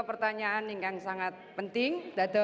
pertanyaan yang sangat penting